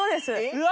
うわ！